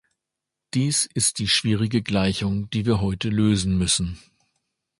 Dies ist die schwierige Gleichung, die wir heute lösen müssen.